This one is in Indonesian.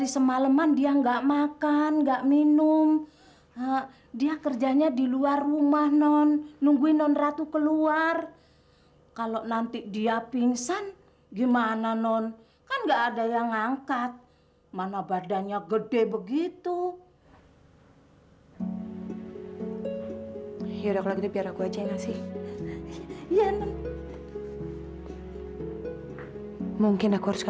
sampai jumpa di video selanjutnya